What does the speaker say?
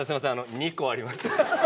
２個あります。